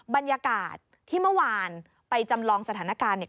บรรยากาศที่เมื่อวานไปจำลองสถานการณ์เนี่ย